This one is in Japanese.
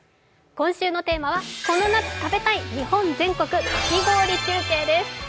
今週のテーマはこの夏食べたい日本全国かき氷中継です。